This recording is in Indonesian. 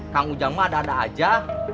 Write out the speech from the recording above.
kang ujangmo ada ada saja